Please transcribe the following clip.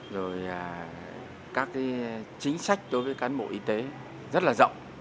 rồi các chính sách đối với cán bộ y tế rất là rộng